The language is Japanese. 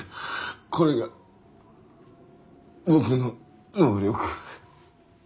これが僕の「能力」。